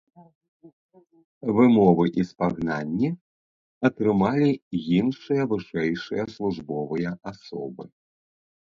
Вымовы і спагнанні атрымалі іншыя вышэйшыя службовыя асобы.